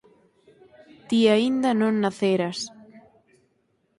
Ti aínda non naceras.